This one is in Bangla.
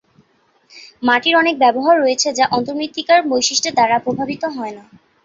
মাটির অনেক ব্যবহার রয়েছে যা অন্তর্মৃত্তিকার বৈশিষ্ট্যের দ্বারা প্রভাবিত হয় না।